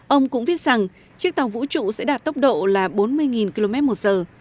ông cũng viết rằng chiếc tàu vũ trụ sẽ đạt tốc độ là bốn mươi km một giờ